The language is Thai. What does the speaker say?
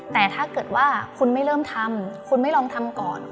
แต่ถ้าเกิดว่าคุณไม่เริ่มทำคุณไม่ลองทำก่อน